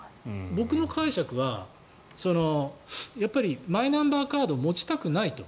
僕の解釈はやっぱりマイナンバーカードを持ちたくないと。